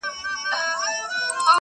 په رسنيو کي موضوع ورو ورو کمه سي راپور,